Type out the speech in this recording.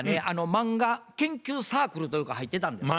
漫画研究サークルというとこ入ってたんですよ。